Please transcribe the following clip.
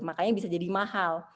makanya bisa jadi mahal